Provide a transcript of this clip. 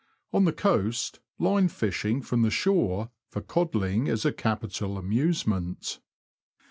On the coAst, line fishing from the shore, for codling, is a capital amusement.